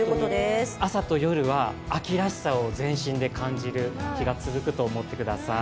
特に朝と夜は秋らしさを全身で感じる日が続くと思ってください。